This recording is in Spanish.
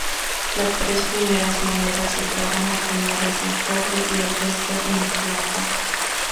Las tres primeras monedas estaban acuñadas en cobre, y el resto en plata.